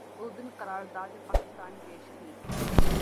اس دن قرارداد پاکستان پیش کی